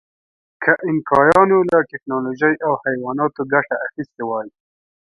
که اینکایانو له ټکنالوژۍ او حیواناتو ګټه اخیستې وای.